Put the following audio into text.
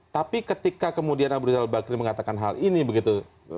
tapi ketika kemudian abu rizal bakri mengatakan hal ini begitu